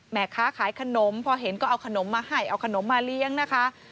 แม่ค้าขายขนมพอเห็นก็เอาขนมมาให้เอาขนมมาเลี้ยงนะคะ